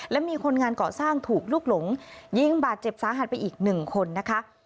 และมีคนงานเกาะสร้างถูกลุกหลงยิงบาดเจ็บสาหัสไปอีกหนึ่งคนนะคะ